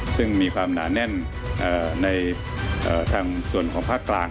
ซึ่งมีความหนาแน่นในทางส่วนของภาคกลาง